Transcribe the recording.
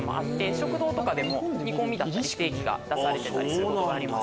食堂で煮込みだったりステーキ出されてたりすることがあります。